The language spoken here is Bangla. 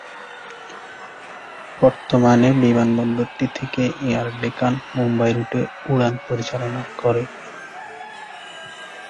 বর্তমানে বিমানবন্দরটি থেকে এয়ার ডেকান মুম্বাই রুটে উড়ান পরিচালনা করে।